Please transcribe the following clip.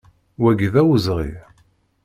Wagi d awezɣi!